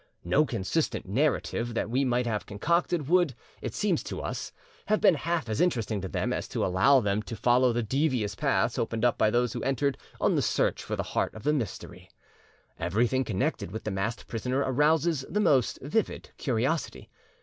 No consistent narrative that we might have concocted would, it seems to us, have been half as interesting to them as to allow them to follow the devious paths opened up by those who entered on the search for the heart of the mystery. Everything connected with the masked prisoner arouses the most vivid curiosity.